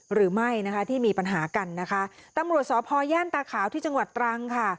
หรือไม่นะคะที่มีปัญหากันนะคะตำรวจสพย่านตาขาวที่จังหวัดตรังค่ะ